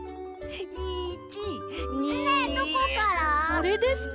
あれですか？